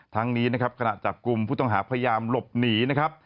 ทั้งนี้นะครับขณะจับกลุ่มผู้ต้องหาพยายามหลบหนีนะครับ